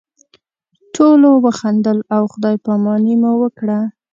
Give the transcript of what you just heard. ټولو وخندل او خدای پاماني مو وکړه.